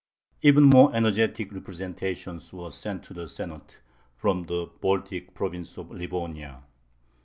Even more energetic representations were sent to the Senate from the Baltic province of Livonia.